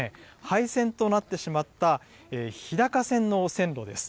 廃線となってしまった日高線の線路です。